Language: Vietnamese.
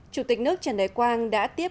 chủ tịch nước trần đại quang đã tiếp